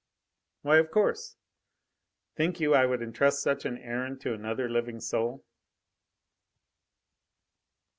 "Why, of course! Think you I would entrust such an errand to another living soul?"